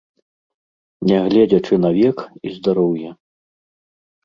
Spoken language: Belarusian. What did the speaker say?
Нягледзячы на век і здароўе.